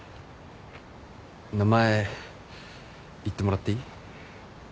名前言ってもらっていい？